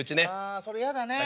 ああそれやだね。